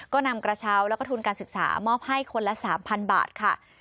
ก็นำกระเช้าแล้วก็ทุนการศึกษามอบให้คนละ๓๐๐บาทค่ะ